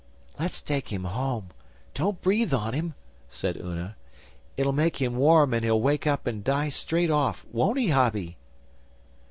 'Let's take him home. Don't breathe on him,' said Una. 'It'll make him warm and he'll wake up and die straight off. Won't he, Hobby?